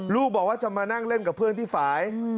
บอกว่าจะมานั่งเล่นกับเพื่อนที่ฝ่าย